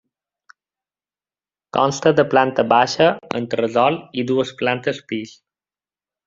Consta de planta baixa, entresòl i dues plantes pis.